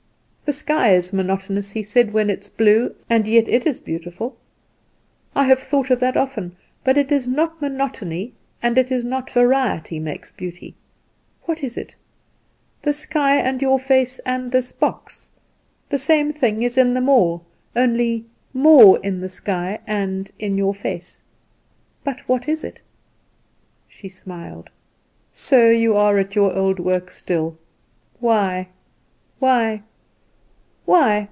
"The sky is monotonous," he said, "when it is blue, and yet it is beautiful. I have thought of that often; but it is not monotony, and it is not variety makes beauty. What is it? The sky, and your face, and this box the same thing is in them all, only more in the sky and in your face. But what is it?" She smiled. "So you are at your old work still. Why, why, why?